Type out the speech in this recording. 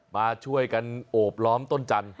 มาช่วยกันโอบล้อมต้นจันท